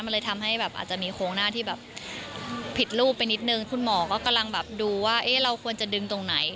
มันเลยทำให้แบบอาจจะมีโขงหน้าที่แบบผิดรูปไปนิดนึง